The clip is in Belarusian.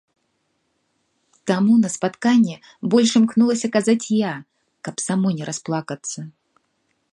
Таму на спатканні больш імкнулася казаць я, каб самой не расплакацца.